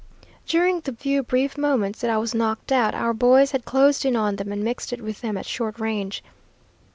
"During the few brief moments that I was knocked out, our boys had closed in on them and mixed it with them at short range.